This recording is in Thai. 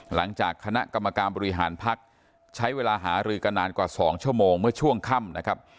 หลังจากคณะกรรมการบริหารพักใช้เวลาหารือกันนานกว่า๒ชั่วโมงเมื่อช่วงค่ำนะครับ